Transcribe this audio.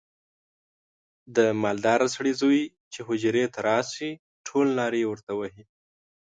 د مالداره سړي زوی چې حجرې ته راشي ټول نارې ورته وهي.